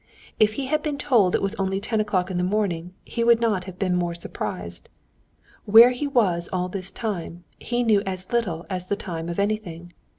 If he had been told it was only ten o'clock in the morning, he would not have been more surprised. Where he was all this time, he knew as little as the time of anything.